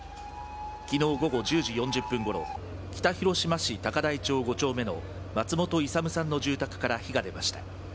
きのう午後１０時４０分ごろ、北広島市高台町５丁目の松本勇さんの住宅から火が出ました。